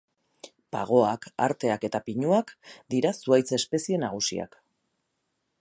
Pagoak, arteak eta pinuak dira zuhaitz-espezie nagusiak.